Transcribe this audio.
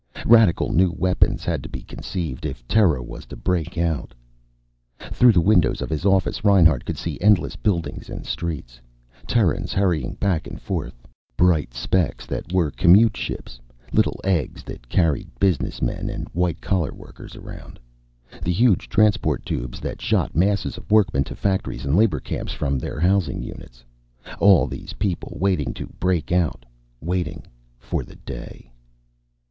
Radical new weapons had to be conceived, if Terra was to break out. Through the windows of his office, Reinhart could see endless buildings and streets, Terrans hurrying back and forth. Bright specks that were commute ships, little eggs that carried businessmen and white collar workers around. The huge transport tubes that shot masses of workmen to factories and labor camps from their housing units. All these people, waiting to break out. Waiting for the day.